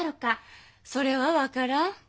それは分からん。